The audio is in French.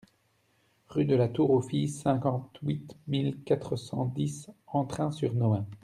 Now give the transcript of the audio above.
Rue de la Tour aux Filles, cinquante-huit mille quatre cent dix Entrains-sur-Nohain